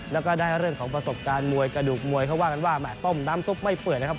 แล้วกประสบการณ์มวยกระดูกมวยเขาว่ากันว่าแมะต้มน้ำซุปไม่เปิดนะครับ